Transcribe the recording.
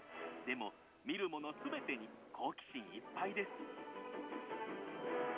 でも見るもの全てに好奇心いっぱいです。